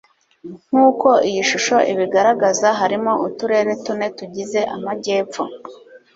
nk uko iyi shusho ibigaragaza harimo uturere tune tugize amajyepfo